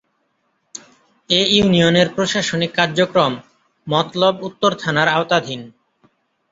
এ ইউনিয়নের প্রশাসনিক কার্যক্রম মতলব উত্তর থানার আওতাধীন।